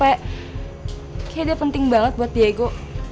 kayaknya dia penting banget buat diego